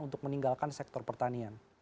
untuk meninggalkan sektor pertanian